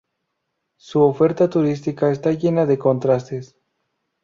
Su oferta turística está llena de contrastes.